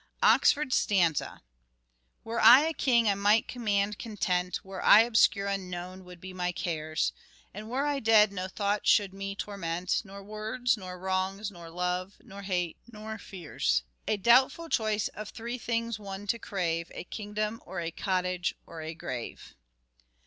Oxford's stanza :" Were I a king I might command content, Were I obscure unknown would be my cares, And were I dead no thoughts should me torment, Nor words, nor wrongs, nor love, nor hate, nor fears. A doubtful choice of three things one to crave, A kingdom or a cottage or a grave."